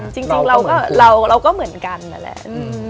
จริงเราก็เหมือนกันแหละ